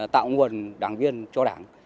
tạo nguồn đảng viên cho đảng